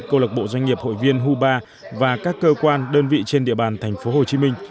cơ lực bộ doanh nghiệp hội viên hubar và các cơ quan đơn vị trên địa bàn tp hcm